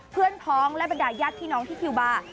เพื่อนพ้องและบรรดายหญ้าที่น้องที่ทิวบาร์